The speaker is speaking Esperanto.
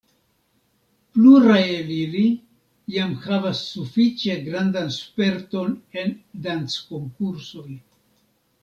Pluraj el ili jam havas sufiĉe grandan sperton en danckonkursoj.